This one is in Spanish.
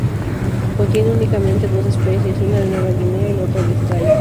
Contiene únicamente dos especies, una de Nueva Guinea y la otra de Australia.